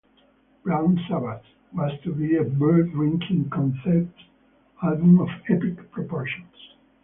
"Brown Sabbath" was to be a beer drinking concept album of epic proportions.